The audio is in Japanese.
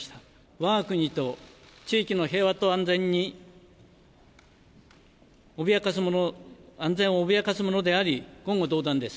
わが国と地域の平和と安全を脅かすものであり、言語道断です。